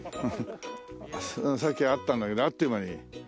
さっきあったんだけどあっという間に。